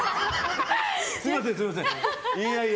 すみません、すみません。